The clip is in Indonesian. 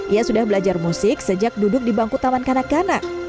ia sudah belajar musik sejak duduk di bangku taman kanak kanak